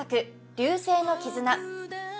「流星の絆」